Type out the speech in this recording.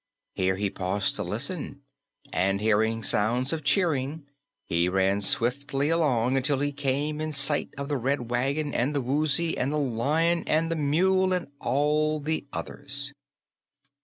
Here he paused to listen, and hearing sounds of cheering, he ran swiftly along until he came in sight of the Red Wagon and the Woozy and the Lion and the Mule and all the others.